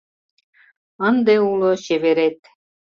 Ынде уло чеверет